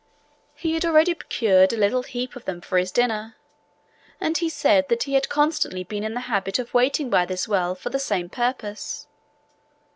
He had already procured a little heap of them for his dinner, and he said that he had constantly been in the habit of waiting by this well for the same purpose.